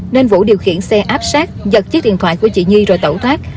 nên vũ điều khiển xe áp sát giật chiếc điện thoại của chị nhi rồi tẩu thoát